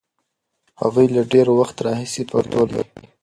هغوی له ډېر وخت راهیسې پښتو لولي.